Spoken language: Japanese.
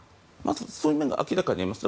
そういう面が明らかにあります。